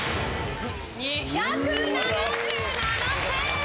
２７７点